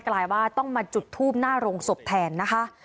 ลายว่าต้องมาจุดทูบหน้าโรงศพแทนนะคะ